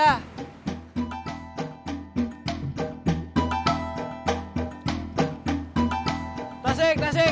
tensik tensik tensik